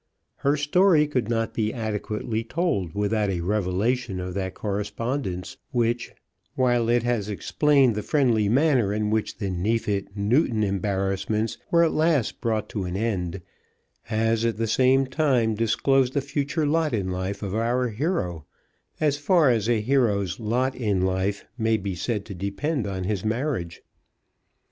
Her story could not be adequately told without a revelation of that correspondence, which, while it has explained the friendly manner in which the Neefit Newton embarrassments were at last brought to an end, has, at the same time, disclosed the future lot in life of our hero, as far as a hero's lot in life may be said to depend on his marriage.